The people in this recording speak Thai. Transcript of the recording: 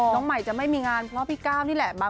น้องใหม่จะไม่มีงานเพราะพี่ก้าวนี่แหละ